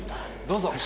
どうぞ。